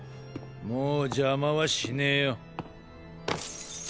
もう邪魔はしねぇよ。